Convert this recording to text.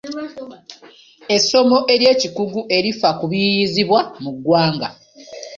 Essomo ery'ekikugu erifa ku biyiiyiizibwa mu ggwanga.